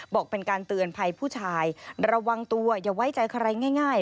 บอกเป็นการเตือนภัยผู้ชายระวังตัวอย่าไว้ใจใครง่าย